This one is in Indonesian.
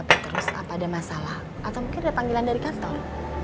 pembelian dari kantor